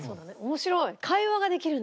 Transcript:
面白い！